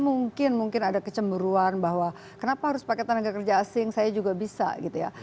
mungkin mungkin ada kecemburuan bahwa kenapa harus pakai tenaga kerja asing saya juga bisa gitu ya